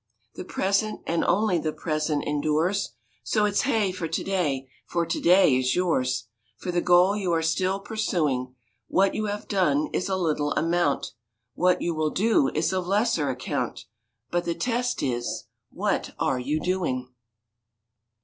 The present and only the present endures, So it's hey for to day! for to day is yours For the goal you are still pursuing. What you have done is a little amount; What you will do is of lesser account, But the test is, what are you doing?